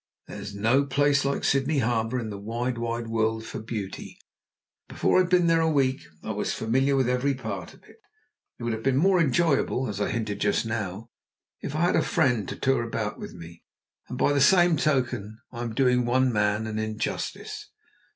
There's no place like Sydney Harbour in the wide, wide world for beauty, and before I'd been there a week I was familiar with every part of it. Still, it would have been more enjoyable, as I hinted just now, if I had had a friend to tour about with me; and by the same token I'm doing one man an injustice.